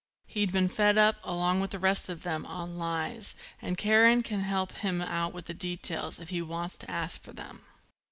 He'd been fed up, along with the rest of them, on lies, and Karen can help him out with the details if he wants to ask for them.